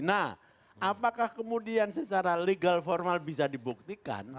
nah apakah kemudian secara legal formal bisa dibuktikan